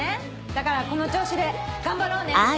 だからこの調子で頑張ろうね！